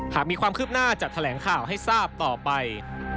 หากมีความคืบหน้าจะแถลงข่าวให้ทราบต่อไป